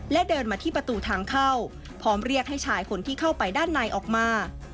และเดินมาที่ประตูทางเข้าพร้อมเรียกให้ชายคนที่เข้าไปด้านในออกมา